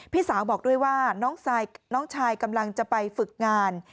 พี่สาวบอกด้วยว่าน้องชายกำลังจะไปฝึกงาน